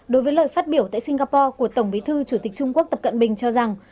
đối với lời phát biểu tại singapore của tổng bí thư chủ tịch trung quốc tập cận bình cho rằng